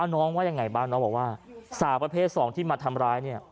น้องว่ายังไงบ้างน้องบอกว่าสาวประเภทสองที่มาทำร้ายเนี่ย